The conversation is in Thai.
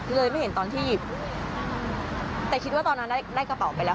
เลยไม่เห็นตอนที่แต่คิดว่าตอนนั้นได้กระเป๋าไปแล้ว